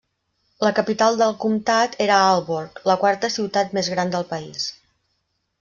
La capital del comtat era Aalborg, la quarta ciutat més gran del país.